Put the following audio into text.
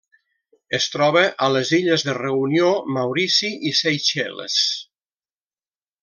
Es troba a les illes de Reunió, Maurici i Seychelles.